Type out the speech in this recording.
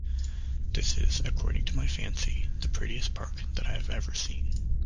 This is, according to my fancy, the prettiest park that I have ever seen.